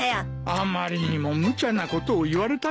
あまりにも無茶なことを言われたんでな。